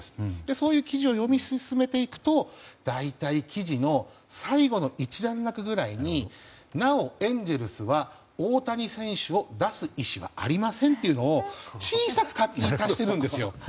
そういう記事を読み進めていくと大体記事の最後の１段落くらいになお、エンゼルスは大谷選手を出す意思はありませんというのを小さく書き足しているんですよ。